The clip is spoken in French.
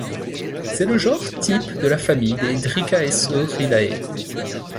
C'est le genre type de la famille des Dicraeosauridae.